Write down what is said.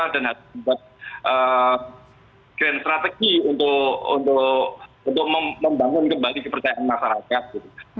dan harus membuat strategi untuk membangun kembali kepercayaan masyarakat